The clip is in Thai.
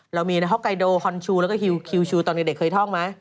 เรามีฮอกไกโดฮอนชูแล้วก็คิวชูตอนเด็กเคยท่องไหม